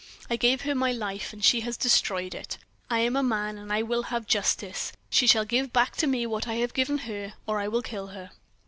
I gave her my life, and she has destroyed it. I am a man, and I will have justice; she shall give back to me what I have given her, or I will kill her."